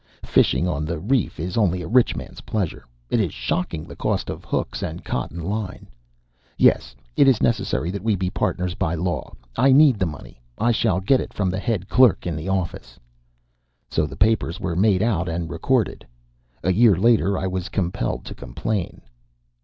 Fishing on the reef is only a rich man's pleasure. It is shocking, the cost of hooks and cotton line. Yes; it is necessary that we be partners by the law. I need the money. I shall get it from the head clerk in the office." So the papers were made out and recorded. A year later I was compelled to complain.